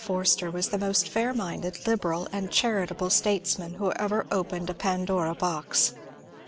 Forster was the most fair minded, liberal, and charitable statesman who ever opened a Pandora box.